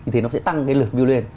thì nó sẽ tăng cái lượt view lên